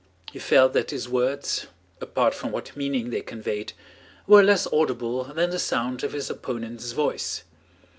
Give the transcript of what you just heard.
He felt that his words, apart from what meaning they conveyed, were less audible than the sound of his opponent's voice.